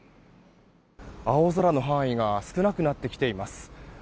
青空の範囲が少なくなってきています。